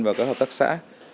và các hợp tác xã